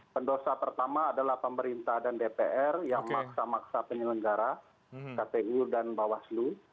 pendosa pertama adalah pemerintah dan dpr yang maksa maksa penyelenggara kpu dan bawaslu